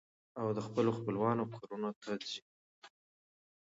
او د خپلو خپلوانو کورنو ته ځي.